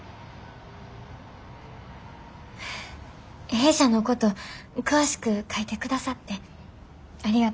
弊社のこと詳しく書いてくださってありがとうございます。